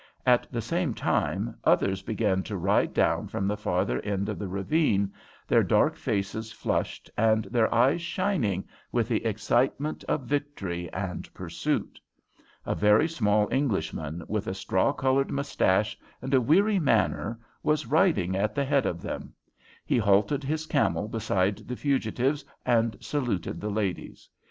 At the same time others began to ride down from the farther end of the ravine, their dark faces flushed and their eyes shining with the excitement of victory and pursuit. A very small Englishman, with a straw coloured moustache and a weary manner, was riding at the head of them. He halted his camel beside the fugitives and saluted the ladies.